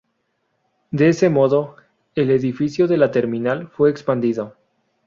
De ese modo, el edificio de la terminal fue expandido.